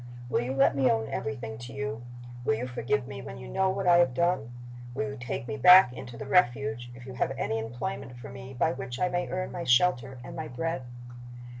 "Will you let me own everything to you? Will you forgive me when you know what I have done? Will you take me back into the Refuge, if you have any employment for me by which I may earn my shelter and my bread?